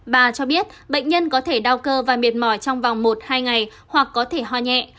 bà cho biết bệnh nhân có thể đau cơ và mệt mỏi trong vòng một hai ngày hoặc có thể ho nhẹ